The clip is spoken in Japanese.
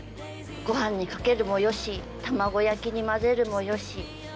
ご飯にかけるもよし卵焼きに混ぜるもよし。